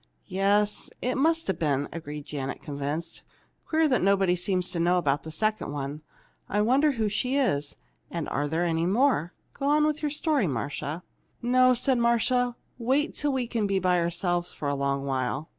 "Yes, it must have been," agreed Janet, convinced. "Queer that nobody seems to know about the second one. I wonder who she is? And are there any more? Go on with your story, Marcia." "No," said Marcia. "Wait till we can be by ourselves for a long while.